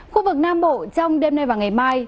khu vực nam bộ trong đêm nay và ngày mai